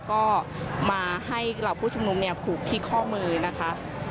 ก็มาให้เหล่าผู้ชุมนุมเนี่ยผูกที่ข้อมือนะคะ